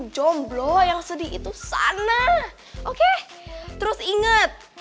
jomblo yang sedih itu sana oke terus inget